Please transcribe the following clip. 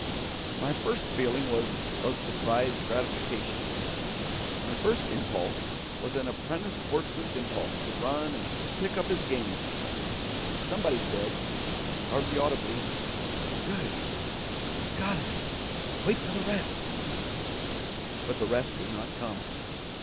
My first feeling was of surprised gratification; my first impulse was an apprentice sportsman's impulse to run and pick up his game. Somebody said, hardly audibly, 'Good we've got him! wait for the rest.' But the rest did not come.